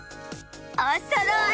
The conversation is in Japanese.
おそろい！